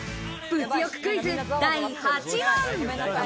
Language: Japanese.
物欲クイズ、第８問。